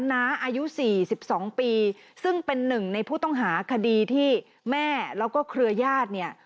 น้าอายุ๔๒ปีซึ่งเป็นหนึ่งในผู้ต้องหาคดีที่แม่แล้วก็เครือญาติเนี่ย